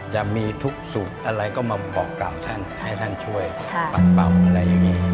จะมีทุกสุขอะไรก็มาบอกกล่าวท่านให้ท่านช่วยปัดเป่าอะไรอย่างนี้